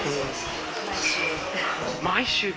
毎週。